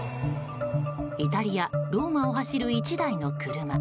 イタリア・ローマを走る１台の車。